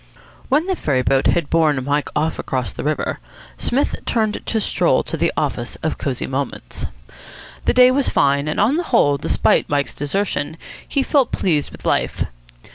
When the ferry boat had borne Mike off across the river, Psmith turned to stroll to the office of Cosy Moments. The day was fine, and on the whole, despite Mike's desertion, he felt pleased with life.